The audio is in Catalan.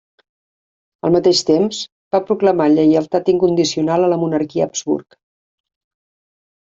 Al mateix temps, va proclamar lleialtat incondicional a la monarquia Habsburg.